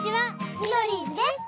ミドリーズです！